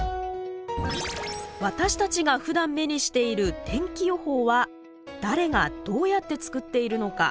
私たちがふだん目にしている天気予報は誰がどうやって作っているのか？